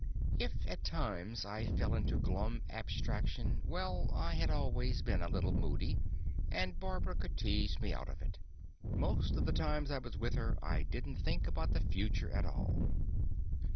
If at times I fell into glum abstraction, well, I had always been a little moody and Barbara could tease me out of it. Most of the times I was with her, I didn't think about the future at all.